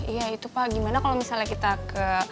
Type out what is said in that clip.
iya itu pak gimana kalau misalnya kita ke